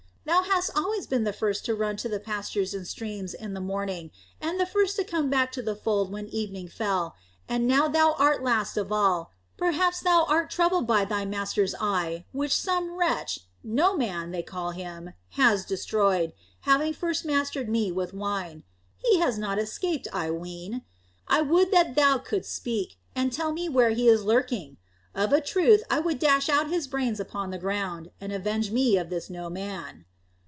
Thou hast always been the first to run to the pastures and streams in the morning, and the first to come back to the fold when evening fell; and now thou art last of all. Perhaps thou art troubled about thy master's eye, which some wretch No Man, they call him has destroyed, having first mastered me with wine. He has not escaped, I ween. I would that thou couldst speak, and tell me where he is lurking. Of a truth I would dash out his brains upon the ground, and avenge me of this No Man."